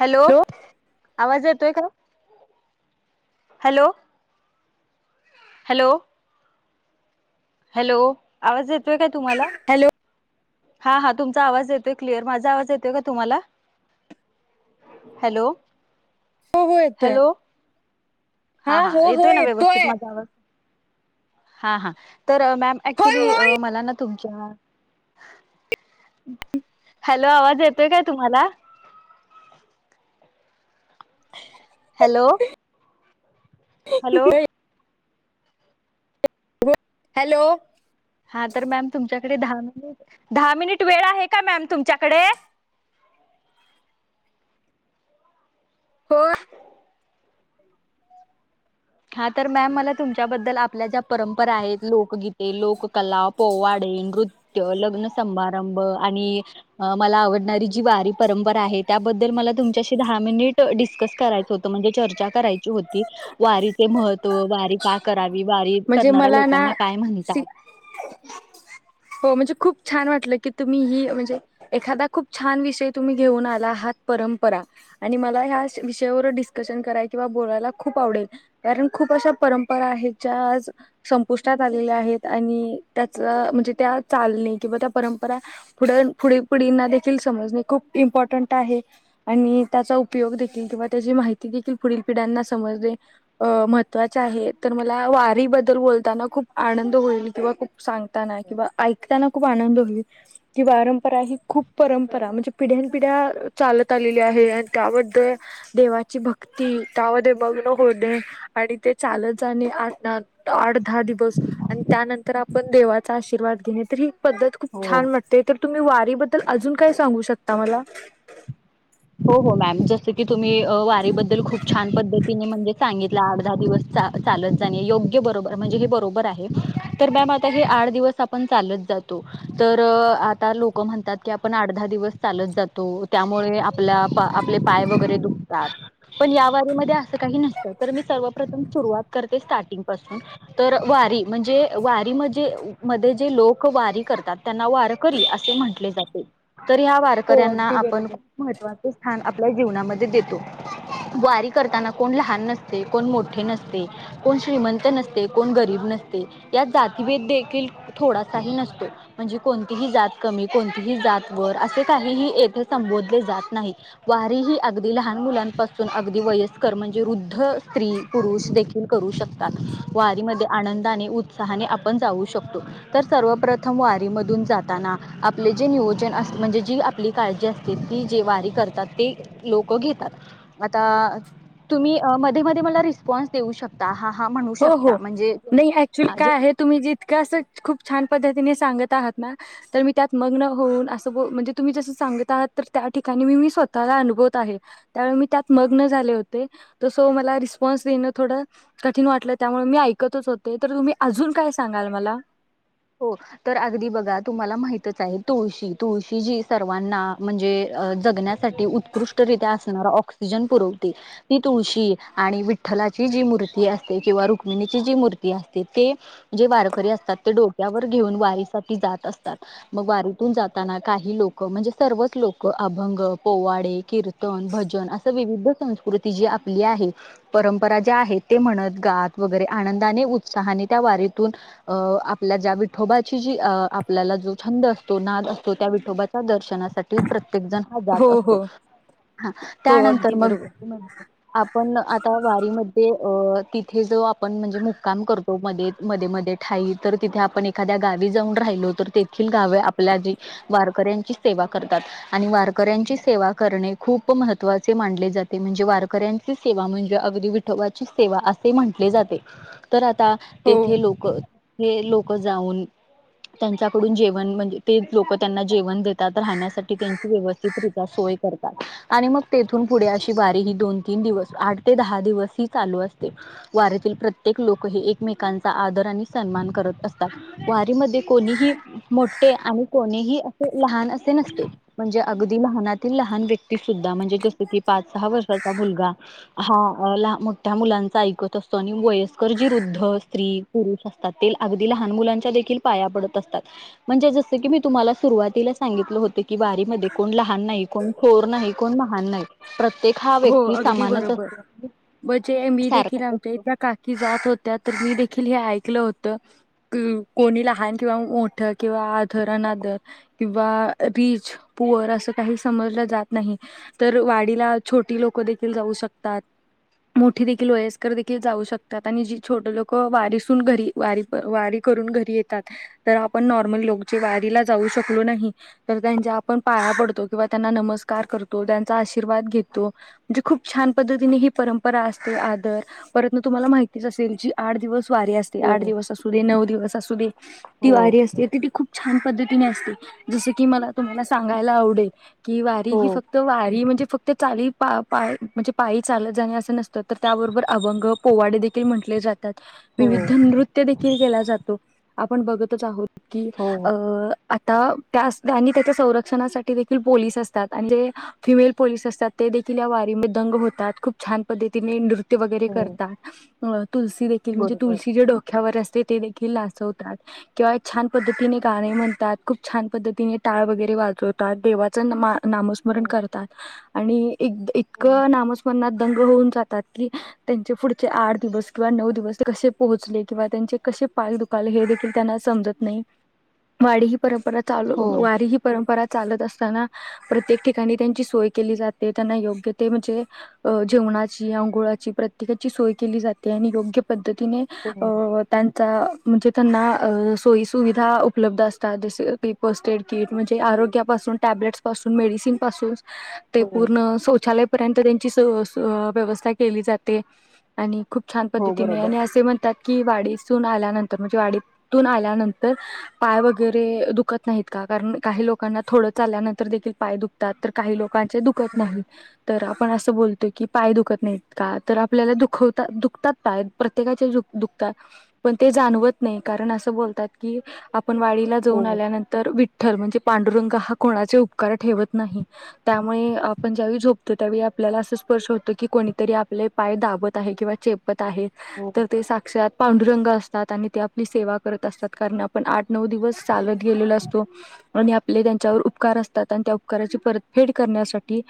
Hello, आवाज येतोय का? हॅलो. हॅलो. हॅलो. आवाज येत तोय का तुम्हाला? हॅलो हा हा तुमचा आवाज येतोय क्लिअर. माझा आवाज येतोय का तुम्हाला? हॅलो हो हो येतोय. हॅलो हा हो हो ना व्यवस्थित येतोय. माझा आवाज हा हा तर मॅम होय ऍक्च्युली होय मला ना तुमच्या. हॅलो आवाज येतोय काय तुम्हाला? हॅलो ह ह हॅलो नाही. हॅलो हा तर मॅम तुमच्या दहा मि, दहा मिनिट वेळ आहे का मॅम? तुमच्याकडे हो हा तर मॅम मला तुमच्याबद्दल आपल्या ज्या परंपरा आहेत लोकगीत ते लोककला पोवाडे नृत्य लग्न समारंभ आणि मला आवडणारी जी वारी परंपरा आहे त्याबद्दल मला तुमच्याशी दहा मिनिट डिस कस करायचं होतं म्हणजे चर्चा करायची होती, वारी महत्व, वारी का कर बारी म्हणजे करणाऱ्या मला ना लोकांना काय सी म्हणतात हो म्हणजे खूप छान वाटलं की तुम्ही ही म्हणजे एखादा खूप छान विषय तुम्ही घेऊन आला हात परंपरा आणि मला ह्या विषयावर डिस्कशन कराय किंवा बोलायला खूप आवडेल कारण खूप अशा परंपरा आहेत ज्या आज संपुष्टात आलेल्या आहेत आणि त्याच म्हणजे त्या चालणे किंवा त्या परंपरा पुढील पिढींना देखील समजणे खूप इम्पॉर्टंट आहे आणि त्याचा उपयोग देखील किंवा त्याची माहिती देखील पुढील पिढ्यांना समजणे महत्त्वाचे आहे तर मला वारी बद्दल बोलताना खूप आनंद होईल किंवा खूप सांगताना किंवा ऐकताना खूप आनंद होईल कि परंपरा ही खूप परंपरा म्हणजे पिढ्यान पिढ्या चालत आलेली आहे आणि त्यामध्ये देवाची भक्ती त्यामध्ये मग्न होणे आणि ते चालत जाणे आठ दहा दिवस आणि त्यानंतर आपण देव चा आशीर्वाद घेणे तरी पद्धत खूप हो छान वाटते तर तुम्ही वारीबद्दल अजून काय सांगू शकता मला हो हो मॅम जसं की तुम्ही वारीबद्दल खूप छान पद्धतीने म्हणजे सांगितलं आठ दहा दिवस चालत जाणे योग्य बरोबर म्हणजे हे बरोबर आहे तर मॅम आता हे आठ दिवस आपण चालत जातो तर आता लोक म्हणतात की आपण आठ दहा दिवस चालत जातो त्यामुळे आ आपल्या आपले पाय वगैरे दुखतात पण या वारीमध्ये असं काही नसतं तर मी सर्वप्रथम सुरुवात करते स्टार्टिंग पासून तर वारी म्हणजे वारी मजे मध्ये जे लोक तर ह्या हो वारकऱ्यांना अगदी आपण बरोबर महत्वाचे स्थान आपल्या जीवनामध्ये देतो वारी करताना कोण लहान नसते कोण मोठे नसते कोण श्रीमंत नसते कोण गरीब नसते या जातीभेद देखील थोडासाही नसतो म्हणजे कोणतीही जात कमी कोणतीही जात वर असे काहीही येथे संबोध रे जात नाही वारी ही अगदी लहान मुलांपासून अगदी वयस्कर म्हणजे वृद्ध स्त्री पुरुष देखील करू शकतात वारी मध्ये आनंदाने उत्साहाने आपण जाऊ शकतो तर सर्वप्रथम वारी मधून जाताना आपले जे नियोजन म्हणजे जी आपली काळजी त जे वारी करतात ते लोक घेतात आता तुम्ही मध्ये मध्ये मला रिस्पॉन्स देऊ शकता हा हा म्हणू हो हो शकता म्हणजे नाही ऍक्च्युली हा काय जे आहे तुम्ही जितक असं खूप छान पद्धतीने सांगत आहात ना तर मी त्यात मग्न होऊन अस म्हणजे तुम्ही जस सांगत आहात तर त्या ठिकाणी मी मी स्वतःला अनुभवत आहे त्या मी त्यात मग्न झाले होते सो मला रिस्पॉन्स देण थोड क ठीण वाटलं त्या मी ऐकतच होते तर तुम्ही अजून काय सांगाल मला हो तर अगदी बघा तुम्हाला माहितच आहे तुळशी तुळशी जी सर्वांना म्हणजे जगण्यासाठी उत्कृष्टरित्या असणारा ऑक्सिजन पुरवते ती तुळशी आणि विठ्ठलाची जी मूर्ती असते किंवा रुक्मिणीची जी मूर्ती असते ते जे वारकरी असतात ते डोक वर घेऊन वारीसाठी जात असतात मग वारीतून जाताना काही लोक म्हणजे सर्वच लोक अभंग पोवाडे कीर्तन भजन असं विविध संस्कृती जी आपली आहे परंपरा ज्या आहे ते म्हणत गात वगैरे आनंदाने उत्साहाने त्या वारीतून अ आ आपल्या ज्या विठोबाची जी अ आपल्याला जो छंद असतो नाद असतो त्या विठोबाच्या दर्शनासाठी प्रत्य प्रत्येकजण हा हो जात असतो हो हो त्यानंतर अगदी मग बरोबर आपण आता वारीमध्ये अ तिथे जो आपण म्हणजे मुक्काम करतो. मध्ये-मध्ये-मध्ये ठाई. तर तिथे आपण एखाद्या गावी जाऊन राहिलो. तर तेथील गावे आपल्या जी वारकऱ्यांची सेवा करतात. आणि वारकऱ्यांची सेवा करणे खूप महत्त्वाचे मानले जाते. म्हणजे वारकऱ्यांची सेवा म्हणजे अगदी विठोबाची सेवा असे म्हटले जाते. तर हो तेथे लोक लोक जाऊन त्यांच्याकडून जेवण म्हणजे ते लोक त्यांना जेवण देतात. राहण्यासाठी तेंचि वेवस्तीत रित्या करतात. आणि मग तेथून फुडें अशी दोन-तीन दिवस. आठ ते दहा दिवस अशी चालू असते. वारीतील प्रत्येक लोक हे एकमेकांचा आदर आणि सन्मान करत असत. वारी मध्ये कोणीही मोठे आणि कोणी ही. असे लहान असे नसते. म्हणजे अगदी लहानातील लहान व्यक्ती सुद्धा म्हणजे जस कि पाच-सहा वर्षाचा मुलगा. हा ल मोठ्या मुलांचा ऐकत असतो. आणि वयस्कर जी वुद्ध स्त्री पुरुष अस ते अगदी लहान मुलांच्या देखील पाया पडत असतात. म्हणजे जसं की मी तुम्हाला सुरुवातीला सांगितलं होत. की वारीमध्ये कोण लहान नाही कोण थोर नाही. कोण महान नाही. प्रत्ये हो अगदी बरोबर. म्हनजे मी देखील सारखाच आमच्या असतो इतल्या काकी जात होत्या. तर मी देखील. हे ऐकलं होत. कोणी लहान किंवा मोठ किंवा आदर-अनादर किंवा रीच पुवर असं काही समजलं जात नाही. तर वाडीला छोटी लोकं देखील जाऊ शकतात. मोठी देखील वयस्कर देखील जाऊ शकतात. आणि जी छोट लोक वारीसून घरी वारी वारी करून घरी येतात. तर आपण नॉर्मल लोक जे वारीला जाऊ शकलो नाही तर त्यांच्या आपण पाया पडतो किंवा त्यांना नमस्कार करतो. त्यांचा आशीर्वाद घेतो. की म्हणजे खूप छान पद्धतीने ही परंपरा असते. आदर परतन तुम्हाला माहितीच असेल की आठ दिवस. वारी असते. आठ हो दिवस असू दे नऊ दिवस असू दे. ती हो वारी असते. त ती खूप छान पद्धतीने असते. जसं की मला तुम्हाला सांगायला आवडेल. की वारी हो ही फक्त वारी म्हणजे फ वारी प पाय म्हणजे पायी चालत जाणे असं नसतं, तर त्याबरोबर अभंग पोवाडे देखील म्हंटले जा तात हो विविध नृत्य देखील केला जातो. आपण बघतच आहोत. की हो अ आता त्या स्थानी त्याच्या संरक्षणासाठी देखील पोलीस असतात आणि जे फिमेल पोलीस अस तात ते देखील या वारीमध्ये दंग होतात खूप छान पद्धतीने नृ त्य वगैरे हो करतात. [unintelligible] तुलसी देखील म्हणजे बरोबर तुळशी जी डोक्यावर अस ते ती देखील नाचवतात. किंवा एक छान पद्धतीने गाणे म्हणतात खूप छान पद्धतीने टाळ वगैरे वाजवतात देवाचं न मा नामस्मरण हो करतात. आणि इद इतकं नामस्मरणात दंग होऊन जातात की, त्यांचे पुढचे आठ दिवस किंवा नऊ दिवस कसे पोहोचले किंवा त्यांचे कसे पाय दुखले हे देखील त्यांना समजत नाही. वारी ही परंपरा चालू हो वारी ही परंपरा चालत असताना प्रत्येक ठिकाणी त्यांची सोय केली जाते त्यांना योग्य ते म्हणजे अ जेवणाची, अंघोळाची प्रत्येकाची सोय केली जाते आणि योग्य पद्ध तीने हो अ त्या चा म्हणजे त्यांना अ सोयीसुविधा उपलब्ध असतात जसे की फस्ट एड कीट म्हणजे आरोग्यापासून, टॅब्लेट्सपासून, मेडिसिनपासून ते हो पूर्ण शौचालय र्यंत त्यांची व्यवस्था केली जाते आणि खूप छान हो पद्धतीने बरोबर आणि असे म्हणतात की वाडीसून आल्यानंतर म्हणजे वाडीतून आल्यानंतर पाय वगैरे दुखत नाहीत का कारण काही लोकांना थोडं चालल्यानंतर देखील पाय दुखतात तर काही लोक दुखत हो नाही तर आपण असं बोलतो की पाय दुखत नाहीत का तर आपल्याला दुखवत दुखतात पाय प्रत्येकाचे द दुखतात पण ते जाणवत नाही कारण असं बोलतात की आप आपण वाडीला हो जाऊन आल्यानंतर वि विठ्ठल म्हणजे पांडुरंग हा कोणाचे उपकार ठेवत नाही त्यामुळे आपण ज्यावेळी झोपतो त्यावेळी आपल्याला असं स्पर्श होतं की कोणीतरी आपले पाय दाबत आहे किंवा चेप आहे हो तर ते साक्षात पांडुरंग असतात आणि ते आपली सेवा करत असतात कारण आपण आठ नऊ दिवस चालवत गेले असतो आपले त्यांच्यावर उपकार असतात आणि त्या उपकाराची परत फेड करण्यासाठी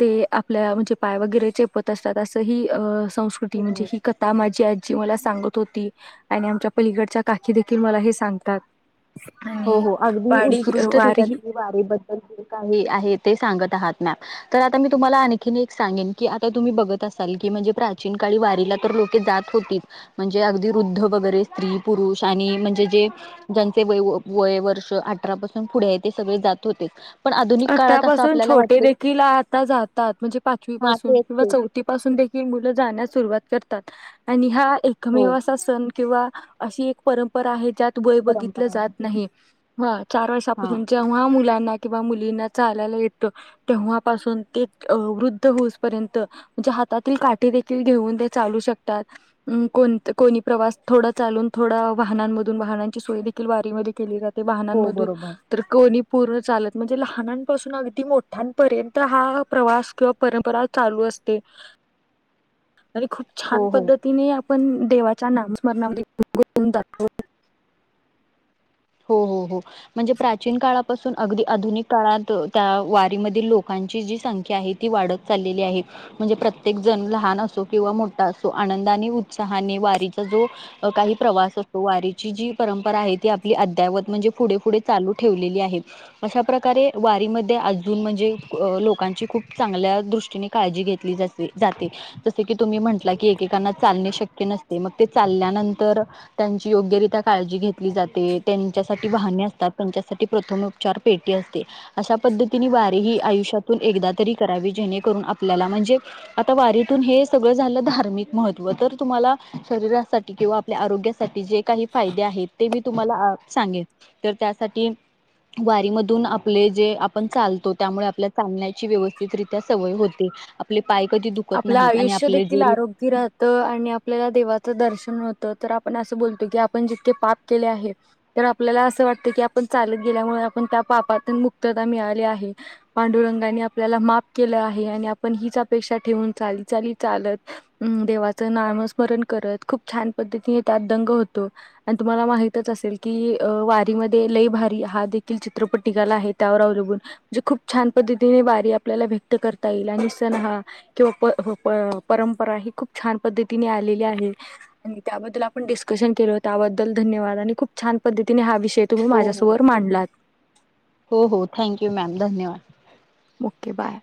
ते आपल्या म्हणजे पाय वगैरे चेपत असतात असं ह संस्कृती म्हणजे हो ही कथा माझी म सांगत होती आणि आमच्या पलीकडच्या काकी देखील मला हे सांगतात हो आणि हो अगदी वाडी उत्कृष्ट रित्यात वारी वारीबद्दल जे काही आहेत ते सांगत आहात मॅम तर आता मी तुम्हाला आणखीन एक सांगेन की आता तुम्ही बघत असाल की म्हणजे प्राचीन काळी वारीला तर लोके जात होतीच म्हणजे अगदी वुद्ध वगैरे स्त्री पुरुष आणि म्हणजे जे ज व वय वर्ष अठरा पासून पुढे ते सगळे जात होते पण आधुनिक काळात असं अठरापासून आपल्याला छोटे वाटतंय की देखील आता जातात म्हणजे पाचवी हा पासून तेच किंवा तेच चौथीपसून देखील कि मुलं जाण्यास सुरुवात करतात आणि हा हो एकमेव असं आसन किंवा अशी एक परंपरा आहे ज्यात वय बघितलं परंपरा जात नाही हा चार हा वर्षापासून जेव्हा मुलांना वा मुलींना चालायला येतं तेव्हापासून ते अ वृद्ध होऊसपर्यंत म्हणजे हातातील काठीे देखील घेऊन ते चालू शकतात. अम्म कोण कोणी प्रवास थोडा चालून थोडा वाहनांमधून वाहनांची सोय देखील वारीमध्ये केली जा ते हो वाहनांमधून बरोबर तर कोणी पूर्ण चालत. म्हणजे लहानांपासून अगदी मोठ्यांपर्यंत हा प्रवास किंवा परंपरा चालू असते. आणि खूप छान हो हो. पद्धतीने आपण देवाच्या नामस्मरणामध्ये [unintelligible] हो हो हो. म्हणजे प्राचीन काळापासून अगदी आधुनिक काळात त्या वारीमधील लोकांची जी संख्या आहे. ती वाढत चाललेली आहे म्हणजे प्रत्येक जण लहान असो किंवा मोठा असो आनंदाने उत्साहाने वारीचा जो अ काही प्रवास असतो वारीची जी परंपरा आहे ती ती अद्यावत म्हणजे पुढे पुुढे चालू ठेवलेली आहे. अशा प्रकारे वारीमध्ये अजून म्हणजे अ लोकांची खूप चांगल्या दृष्टीने काळजी घेतलीे जासे जाते जसे की तुम्ही म्हटला की एकेकांना चालणे श क्य नसते मग ते चालल्या नंतर त्यांची योग्यरित्या काळजी घेतली जा ते त्यांच्यासाठी वाहने असतात, त्यांच्यासाठी प्रथमोपचार पेटी असते, अशा पद्धतीने वारी ही आयुष्यातून एकदा तरी करावी जेणेकरून आपल्याला म्हणजे आता वारीतून हे सगळं झालं धार्मिक महत्त्व तर तुम्हाला शरीरासाठी किंवा आपल्या आरोग्या साठी जे काही फायदे आहेत ते मी ल आ सांगेन. तर त्यासाठी वारीमधून आपले जे आपण चालतो त्यामुळे आपल्या चालण्याची व्यवस्थितरित्या सवय होते. आपली आपलं आयुष्य देखील आरोग्य राहतं आणि आपल्याला देवाचं दर्शन हो त तर आपण असं बोलतो की, आपण जितके पाप केले आहे तर आपल्याला असं वाटतं की आपण चालत गेल्यामुळे आपण त्या पापातून मुक्तता मिळाली आहे. पांडुरंगानी आपल्याला माप केलं आहे आणि आपण हिच अपेक्षा घेऊन चाली चाली चालत, अ देवाच नामस्मरण करत. खूप छान पद्धतीने त्यात दंग होतो. आणि तुम्हाला माहितच असेल कि अ वारी मध्ये लई भारी हा देखील चित्रपट निघाला आहे, त्यावर अवलंबून म्हणजे खूप छान पद्धतीने वारी आपल्याला व्यक्त करता येईल, आणि सन हा हो हो, प-प परंपरा ही खूप छान पद्धतीने आलेली आहे आणि त्याबद्दल आपण डिस्कशन केल त्याबद्दल धन्यवाद. आणि खूप छान पद्धतीने हा विषय ते तुम्ही हो माझ्यासमोर मांडलात हो हो, थँक यू मॅम धन्यवाद. Okay bye.